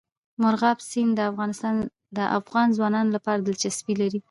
مورغاب سیند د افغان ځوانانو لپاره دلچسپي لري.